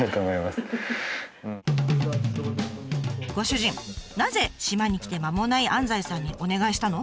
ご主人なぜ島に来てまもない安西さんにお願いしたの？